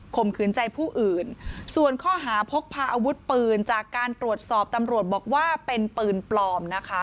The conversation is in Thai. มขืนใจผู้อื่นส่วนข้อหาพกพาอาวุธปืนจากการตรวจสอบตำรวจบอกว่าเป็นปืนปลอมนะคะ